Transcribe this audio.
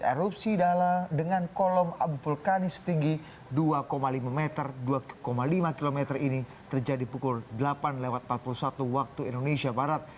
erupsi dengan kolom abu vulkanis tinggi dua lima meter dua lima kilometer ini terjadi pukul delapan empat puluh satu waktu indonesia barat